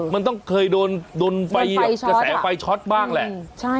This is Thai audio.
มันต้องเคยโดนไฟกระแสไฟช็อตบ้างแหละ